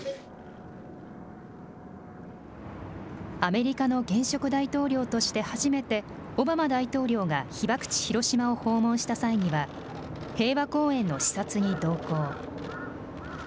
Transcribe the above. アメリカの現職大統領として、初めてオバマ大統領が被爆地、広島を訪問した際には、平和公園の視察に同行。